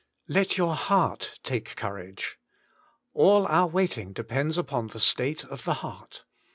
* Let your heart take courage.' All our waiting depends upon the state of the heart.